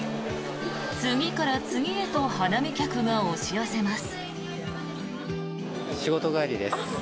次から次へと花見客が押し寄せます。